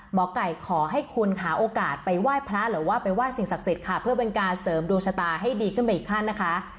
หมอไก่ขอให้คุณหาโอกาสไปไหว้พระหรือว่าไปไห้สิ่งศักดิ์สิทธิ์ค่ะเพื่อเป็นการเสริมดวงชะตาให้ดีขึ้นไปอีกขั้นนะคะ